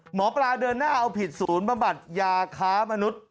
หมอปลาเดินหน้าเอาผิดศูนย์บำบัดยาค้ามนุษย์